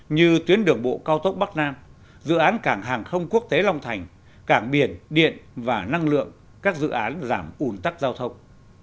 như tuyến đường bộ cao tốc bắc nam dự án cảng hàng không quốc tế long thành cảng biển điện và năng lượng các dự án giảm ủn tắc giao thông